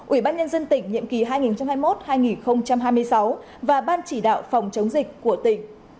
ủy ban nhân dân tỉnh nhiệm kỳ hai nghìn hai mươi một hai nghìn hai mươi sáu và ban chỉ đạo phòng chống dịch của tỉnh